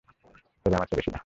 তবে আমার চেয়ে বেশি না।